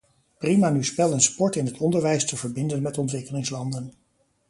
Prima nu spel en sport in het onderwijs te verbinden met ontwikkelingslanden.